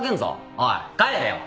おい帰れよ。